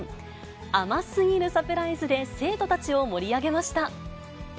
甘すぎるサプライズで、生徒たちを盛り上げました。